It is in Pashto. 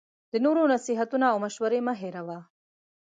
د نورو نصیحتونه او مشوری مه هیروه